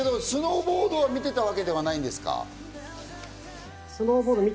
スノーボードを見ていたわけではないです。